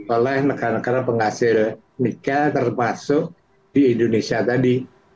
oleh negara negara penghasil nikel termasuk di indonesia tadi